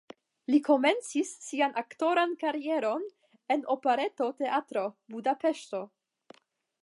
Li komencis sian aktoran karieron en Operetoteatro (Budapeŝto).